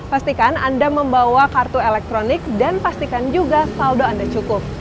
pastikan anda membawa kartu elektronik dan pastikan juga saldo anda cukup